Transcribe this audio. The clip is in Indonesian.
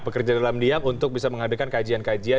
bekerja dalam diam untuk bisa menghadirkan kajian kajian